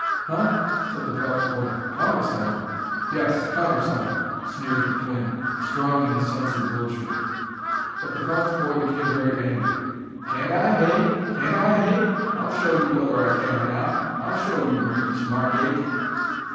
"Huh?" said the Phelps boy. "Countersign?" "Yes countersign," sneered the twin, strong in his sense of virtue. But the Phelps boy became very angry. "Can't I, hey? Can't I, hey? I'll show you whether I can or not! I'll show you, Reeves Margate!"